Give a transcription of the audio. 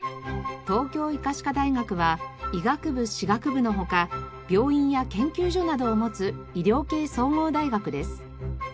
東京医科歯科大学は医学部歯学部の他病院や研究所などを持つ医療系総合大学です。